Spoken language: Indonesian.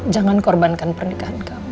jangan korbankan pernikahan kamu